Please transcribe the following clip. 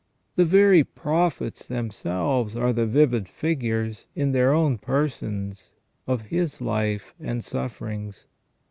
The very prophets themselves are the vivid figures in their own persons of His life and sufferings.